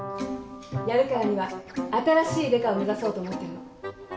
やるからには新しいデカを目指そうと思ってるの。